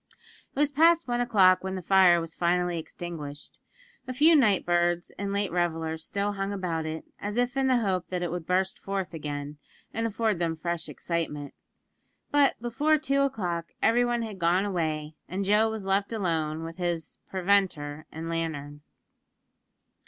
It was past one o'clock when the fire was finally extinguished. A few night birds and late revellers still hung about it, as if in the hope that it would burst forth again, and afford them fresh excitement; but before two o'clock, everyone had gone away, and Joe was left alone with his "preventer" and lantern.